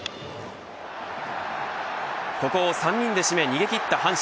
ここを３人で締め逃げ切った阪神。